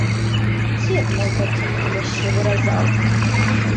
Дзед мой такія яшчэ выразаў.